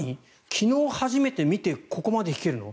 昨日初めて見てここまで弾けるの？